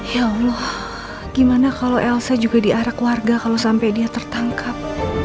ya allah gimana kalau elsa juga diarak warga kalau sampai dia tertangkap